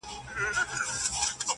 هم ښکنځلي پکښي وسوې هم جنګونه!!